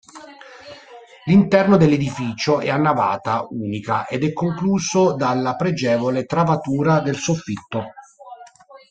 L'interno dell'edificio è a navata unica ed è concluso dalla pregevole travatura del soffitto.